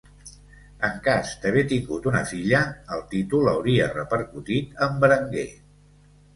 En cas d'haver tingut una filla, el títol hauria repercutit en Berenguer.